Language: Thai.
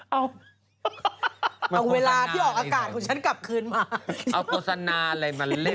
เอาเวลาที่ออกอากาศของฉันกลับคืนมาเอาโฆษณาอะไรมาเล่น